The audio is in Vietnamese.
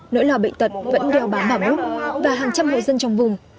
nỗi lò bệnh tật vẫn đeo bám bảo bút và hàng trăm người dân trong vùng